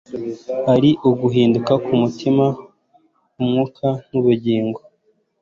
ari uguhinduka kumutima umwuka nubugingo